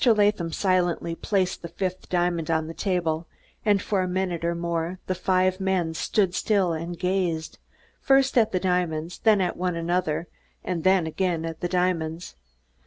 Latham silently placed the fifth diamond on the table, and for a minute or more the five men stood still and gazed, first at the diamonds, then at one another, and then again at the diamonds.